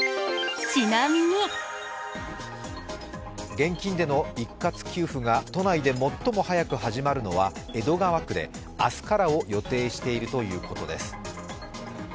現金での一括給付が都内で最も早く始まるのは江戸川区で明日からを予定しているということです。